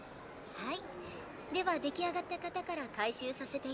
はい。